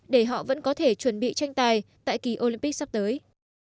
để họ vẫn có thể chuẩn bị tranh tài tại kỳ olympic sắp tới